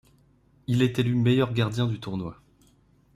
Il est élu meilleur gardien du tournoi.